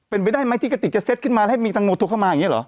เป็นไปได้ไหมที่กระติกจะเซ็ตขึ้นมาให้มีตังโมโทรเข้ามาอย่างนี้เหรอ